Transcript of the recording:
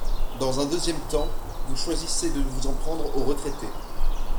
Dans un deuxième temps, vous choisissez de vous en prendre aux retraités.